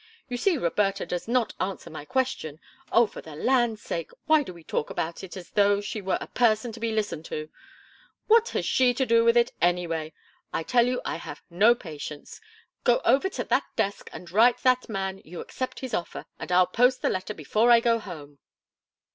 You see Roberta does not answer my question! Oh, for the land sakes, why do we talk about it as though she were a person to be listened to? What has she to do with it, anyway? I tell you I have no patience. Go over to that desk, and write that man you accept his offer, and I'll post the letter before I go home."